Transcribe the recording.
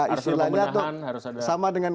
istilahnya itu sama dengan